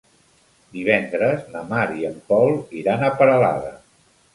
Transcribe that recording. Divendres na Mar i en Pol iran a Peralada.